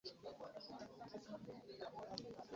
Emmumbwa ekoleddwa mu bbumba mpoomu.